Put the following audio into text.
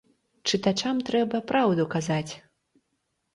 Чытачам трэба праўду казаць.